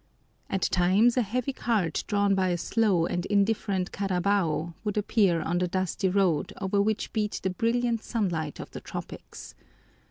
At times a heavy cart drawn by a slow and indifferent carabao would appear on the dusty road over which beat the brilliant sunlight of the tropics.